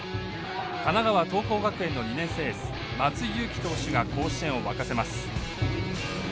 神奈川桐光学園の２年生エース松井裕樹投手が甲子園を沸かせます。